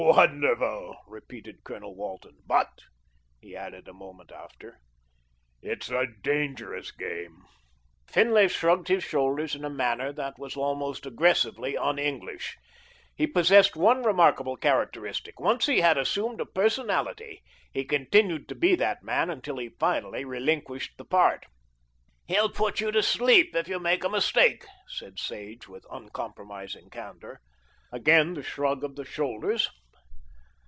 "Wonderful," repeated Colonel Walton, "but," he added a moment after, "it's a dangerous game." Finlay shrugged his shoulders in a manner that was almost aggressively un English. He possessed one remarkable characteristic, once he had assumed a personality, he continued to be that man until he finally relinquished the part. "He'll put you to sleep if you make a mistake," said Sage with uncompromising candour. Again the shrug of the shoulders.